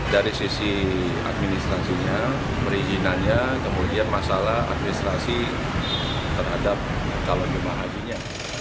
dari sisi administrasinya perizinannya kemudian masalah administrasi terhadap calon jemaah hajinya